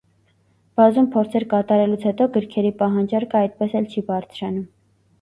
Բազում փորձեր կատարելուց հետո գրքերի պահանջարկը այդպես էլ չի բարձրանում։